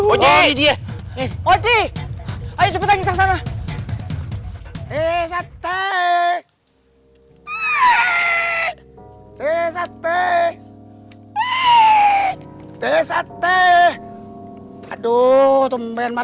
ayo cepetan ke sana